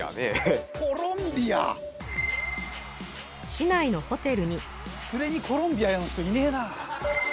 市内のホテルに・連れにコロンビアの人いねぇな。